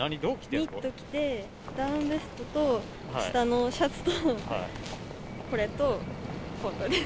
ニット着て、ダウンベストと、下のシャツと、これと、コートです。